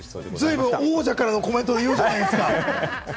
随分、王者からのコメント言うじゃないですか。